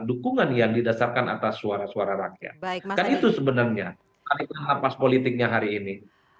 dukungan yang didasarkan atas suara suara rakyat itu sebenarnya politiknya hari ini